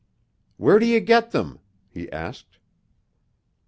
"Where do you get them?" he asked.